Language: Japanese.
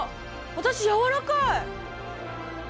私やわらかい！